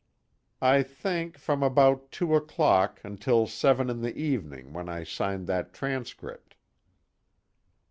"I think, from about two o'clock until seven in the evening, when I signed that transcript."